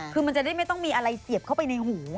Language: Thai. คือมันจะได้ไม่ต้องมีอะไรเสียบเข้าไปในหู